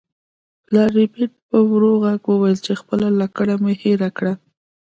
پلار ربیټ په ورو غږ وویل چې خپله لکړه مې هیره کړه